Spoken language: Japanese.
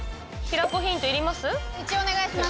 一応お願いします！